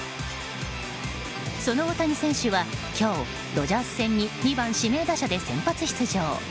その大谷選手は今日、ドジャース戦に２番指名打者で先発出場。